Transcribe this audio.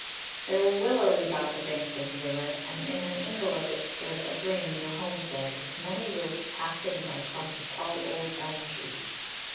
There were willows about the banks of the river, and in an ingle of it stood a grange or homestead, with many roofs half hidden by clumps of tall old elm trees.